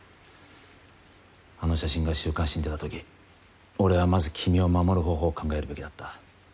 あの写真が週刊誌に出たとき俺はまず君を守る方法を考えるべきだった。